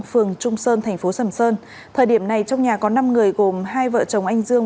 phường trung sơn thành phố sầm sơn thời điểm này trong nhà có năm người gồm hai vợ chồng anh dương